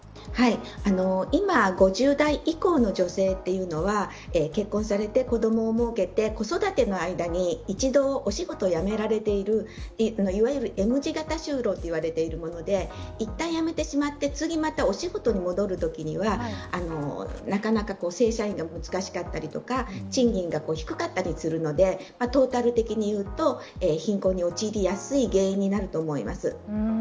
今、５０代以降の女性というのは結婚されて、子どもを設けて子育ての間に一度お仕事を辞められているいわゆるＭ字型就労と言われているものでいったん辞めてしまって次、お仕事に戻るときにはなかなか正社員が難しかったりとか賃金が低かったりするのでトータル的に言うと貧困に陥りやすい原因になると思います。